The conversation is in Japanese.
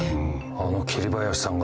あの桐林さんが。